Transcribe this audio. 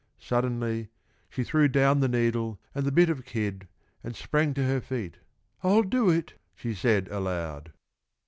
Suddenly she threw down the needle and the bit of kid and sprang to her feet. "I'll do it!" she said aloud.